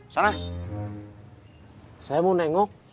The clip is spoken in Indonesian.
saya mau nengok